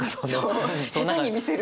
下手に見せる。